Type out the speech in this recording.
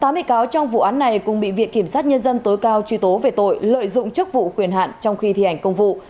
tám bị cáo trong vụ án này cũng bị viện kiểm sát nhân dân tối cao truy tố về tội lợi dụng chức vụ quyền hạn trong khi thi hành công vụ